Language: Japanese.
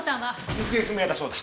行方不明だそうだ。